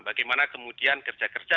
bagaimana kemudian kerja kerja